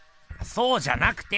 そうじゃなくて！